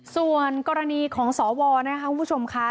ส่วนกรณีของสวนะคะคุณผู้ชมค่ะ